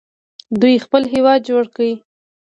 دوی خپل هیواد جوړ کړ.